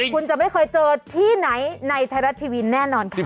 คุณจะไม่เคยเจอที่ไหนในไทยรัฐทีวีแน่นอนค่ะ